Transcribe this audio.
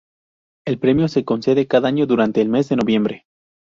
El premio se concede cada año durante el mes de noviembre.